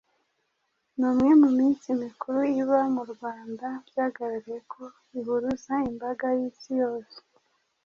Ni umwe mu minsi mikuru iba mu Rwanda byagaragaye ko ihuruza imbaga y’isi yose.